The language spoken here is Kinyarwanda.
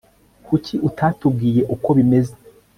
kuki utatubwiye uko bimeze